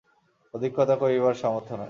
অধিক কথা কহিবার সামর্থ্য নাই।